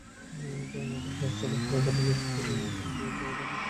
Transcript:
তবে মাঠে তাঁর চলাফেরা বলে দিচ্ছিল, সতীর্থদের সঙ্গে বোঝাপড়াটা তৈরি হয়েছে।